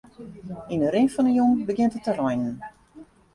Yn 'e rin fan 'e jûn begjint it te reinen.